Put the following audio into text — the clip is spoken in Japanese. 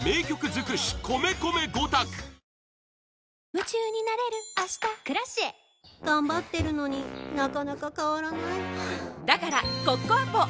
夢中になれる明日「Ｋｒａｃｉｅ」頑張ってるのになかなか変わらないはぁだからコッコアポ！